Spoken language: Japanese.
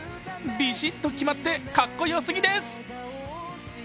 ビシッと決まってかっこよすぎです。